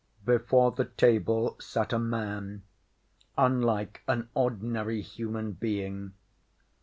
Before the table sat a man, unlike an ordinary human being.